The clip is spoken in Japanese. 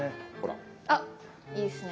あっいいですね。